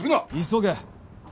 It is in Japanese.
急げ。